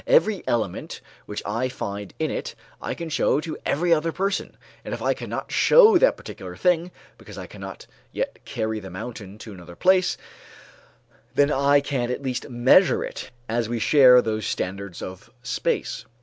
Every element which I find in it, I can show to every other person, and if I cannot show that particular thing, because I cannot yet carry the mountain to another place, then I can at least measure it, as we share those standards of space.